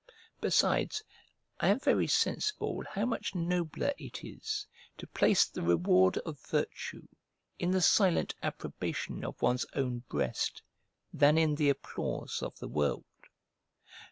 Besides, I am very sensible how much nobler it is to place the reward of virtue in the silent approbation of one's own breast than in the applause of the world.